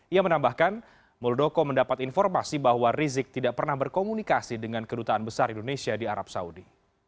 ia menambahkan muldoko mendapat informasi bahwa rizik tidak pernah berkomunikasi dengan kedutaan besar indonesia di arab saudi